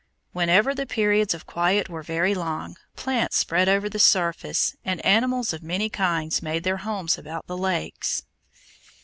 Whenever the periods of quiet were very long, plants spread over the surface and animals of many kinds made their homes about the lakes.